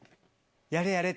「やれ！やれ！」